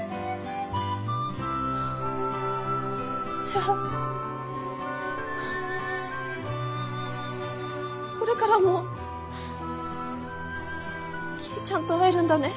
じゃあこれからも桐ちゃんと会えるんだね？